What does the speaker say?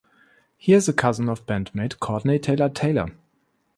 He is a cousin of bandmate Courtney Taylor-Taylor.